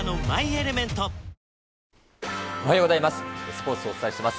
スポーツをお伝えします。